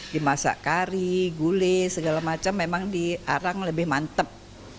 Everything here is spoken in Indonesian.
dimasak kari gulis segala macam memang di arang lebih mantep